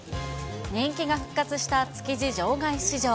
人気が復活した築地場外市場。